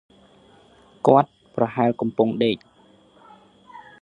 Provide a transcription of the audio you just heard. គាត់ ប្រហែលកំពុងដេក ។